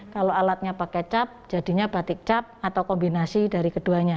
kalau alatnya pakai cap jadinya batik cap atau kombinasi dari keduanya